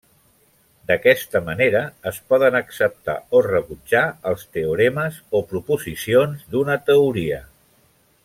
D'aquesta manera, es poden acceptar o rebutjar els teoremes o proposicions d'una teoria.